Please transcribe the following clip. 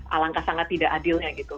alangkah sangat tidak adilnya gitu